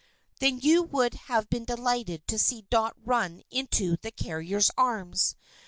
Then you would have been delighted to see Dot run into the carrier's arms.